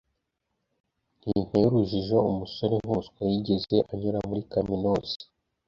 Ninteye urujijo ukuntu umusore nkumuswa yigeze anyura muri kaminuza.